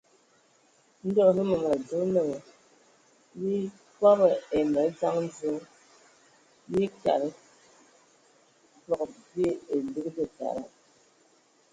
Ndɔ hm me adzo naa mii kobo ai madzaŋ Zǝə, mii kad fǝg bia elig betada.